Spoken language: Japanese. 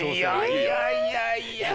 いやいやいやいや。